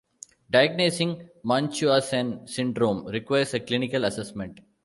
Diagnosing Munchausen syndrome requires a clinical assessment.